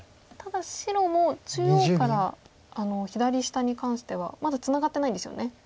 ただ白も中央から左下に関してはまだツナがってないんですよね。